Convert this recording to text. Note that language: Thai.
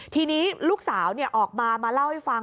ทีนี้ลูกสาวออกมามาเล่าให้ฟัง